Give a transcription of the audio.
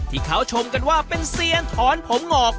ที่เขาชมกันว่าเป็นเซียนถอนผมงอก